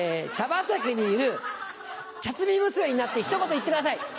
畑にいる茶摘み娘になってひと言言ってください。